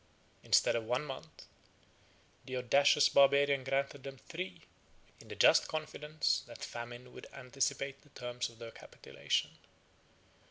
Instead of one month, the audacious Barbarian granted them three, in the just confidence that famine would anticipate the term of their capitulation.